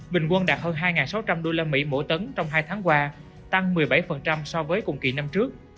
bình quân đạt hơn hai sáu trăm linh usd mỗi tấn trong hai tháng qua tăng một mươi bảy so với cùng kỳ năm trước